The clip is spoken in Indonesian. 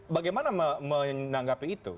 bagaimana menanggapi itu